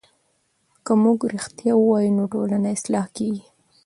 که موږ رښتیا وایو نو ټولنه اصلاح کېږي.